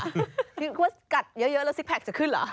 คิดว่ากัดเยอะแล้วซิกแพคจะขึ้นเหรอคะ